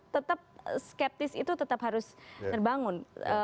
tetap skeptis itu tetap harus terbangun